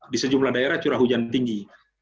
di sejumlah daerah curah hujan tinggi